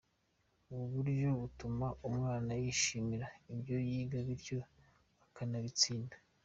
Ubu buryo butuma umwana yishimira ibyo yiga bityo akanabitsinda”.